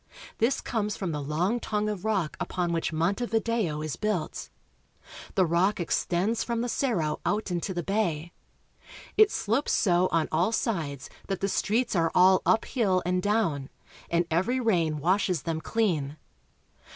This comes from the long tongue of rock upon which Montevideo is built. The rock extends from the Cerro out into the bay. It slopes so on all sides that the streets are all up hill and down, and every rain washes them clean.